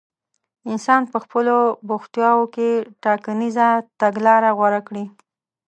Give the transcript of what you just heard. انسان په خپلو بوختياوو کې ټاکنيزه تګلاره غوره کړي.